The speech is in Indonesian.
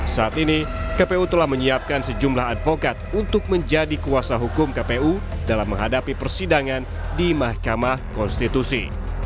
saat ini kpu telah menyiapkan sejumlah advokat untuk menjadi kuasa hukum kpu dalam menghadapi persidangan di mahkamah konstitusi